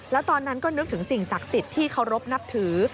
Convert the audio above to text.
แล้วตอนนั้นก็นึกถึงสิ่งศักดิ์สิทธิ์ที่เคารพนับถือ